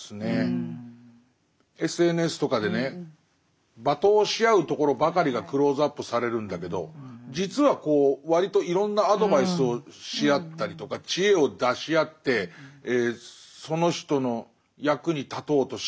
ＳＮＳとかでね罵倒し合うところばかりがクローズアップされるんだけど実は割といろんなアドバイスをし合ったりとか知恵を出し合ってその人の役に立とうとし合う瞬間も。